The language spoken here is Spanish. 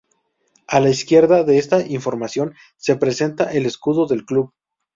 A la izquierda de esta información se presenta el escudo del club.